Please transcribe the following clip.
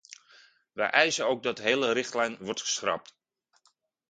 Wij eisen ook dat de hele richtlijn wordt geschrapt.